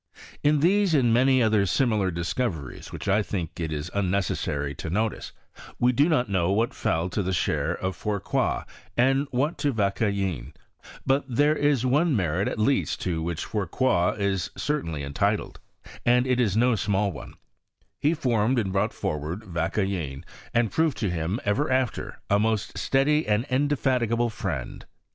In these, andmany other similar discoveries.whidt I think it unnecessary to notice, we do not know what fell to the share of Fourcroy and what to Vauquelin; but there is one merit at least to which Fourcroy is certainly entitled, and it is no small one : he formed and brought forward Vauqudin, and proved to him, ever after, a most steady and indefatigable friend.